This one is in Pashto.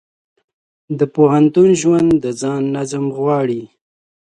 د پوهنتون ژوند د ځان نظم غواړي.